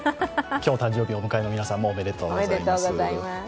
今日、誕生日をお迎えの皆さんもおめでとうございます。